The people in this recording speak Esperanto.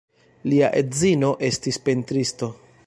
Lia edzino estis pentristo.